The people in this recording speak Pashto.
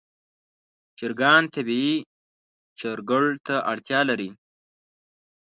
چرګان طبیعي چرګړ ته اړتیا لري.